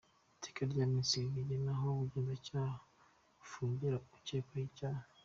Iteka rya Minisitiri rigena aho Ubugenzacyaha bufungira ukekwaho ibyaha ;